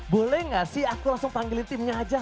boleh gak sih aku langsung panggil timnya aja